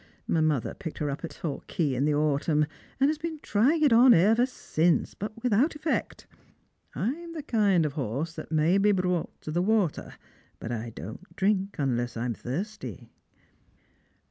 My motlier picked her up at Torquay in the aatumn, and has been trying it on ever since, but without effect. I'm the kind of horse that may be brought to the water, but I don't driiik unless I'm thirsty."